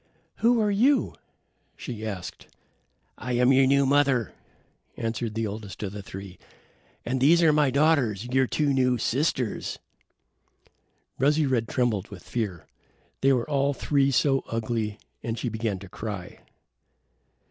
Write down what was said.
"Who are you?" she asked. "I am your new mother," answered the eldest of the three, "and these are my daughters, your two new sisters." Rosy red trembled with fear. They were all three so ugly, and she began to cry.